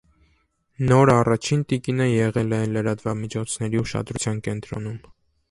Նոր առաջին տիկինը եղել է լրատվամիջոցների ուշադրության կենտրոնում։